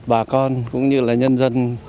bà con cũng như là nhân dân